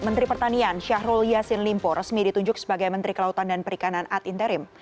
menteri pertanian syahrul yassin limpo resmi ditunjuk sebagai menteri kelautan dan perikanan ad interim